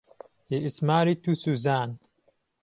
He is married to Susanne.